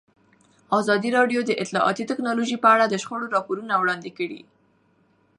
ازادي راډیو د اطلاعاتی تکنالوژي په اړه د شخړو راپورونه وړاندې کړي.